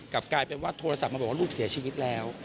กลับกลายเป็นว่าโทรศัพท์มาบอกว่าลูกเสียชีวิตแล้ว